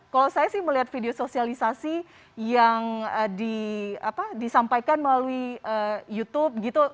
kalau saya sih melihat video sosialisasi yang disampaikan melalui youtube gitu